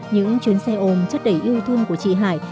những chuyến xe ôm chất đầy yêu thương của chị hải